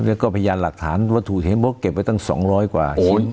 แล้วก็พยานหลักฐานวัตถุเฮมกเก็บไว้ตั้ง๒๐๐กว่าชิ้น